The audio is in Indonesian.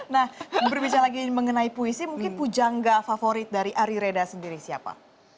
nah berbicara lagi mengenai puisi mungkin pujangga favorit dari ari reda sendiri siapa